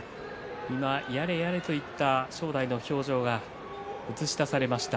今やれやれといった正代の表情が映し出されました。